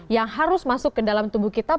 yang harus masuk ke dalam tubuh kita